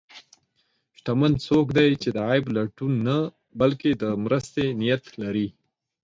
شتمن څوک دی چې د عیب لټون نه، بلکې د مرستې نیت لري.